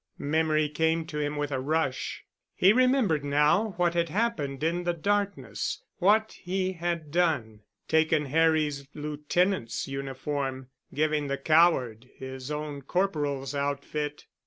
Memory came to him with a rush. He remembered now what had happened in the darkness, what he had done. Taken Harry's lieutenant's uniform, giving the coward his own corporal's outfit.